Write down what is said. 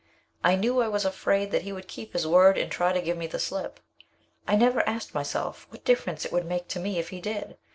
I knew I was afraid that he would keep his word and try to give me the slip. I never asked myself what difference it would make to me if he did.